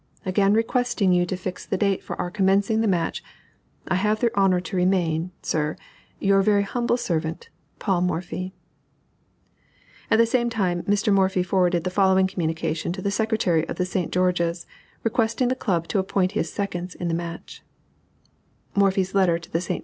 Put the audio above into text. Again requesting you to fix the date for our commencing the match, I have the honor to remain, sir, Your very humble servant, PAUL MORPHY. [Illustration: MR. STAUNTON. MR. BODEN. HERR LÖWENTHAL.] At the same time Mr. Morphy forwarded the following communication to the Secretary of the St. George's, requesting the Club to appoint his seconds in the match: MORPHY'S LETTER TO THE ST.